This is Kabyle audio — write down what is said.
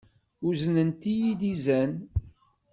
Uznent-iyi-d izen.